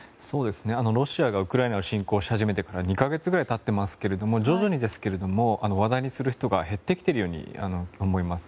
ロシアがウクライナを侵攻し始めてから２か月ぐらい経っていますけど徐々にですけれど話題にする人が減ってきているように思います。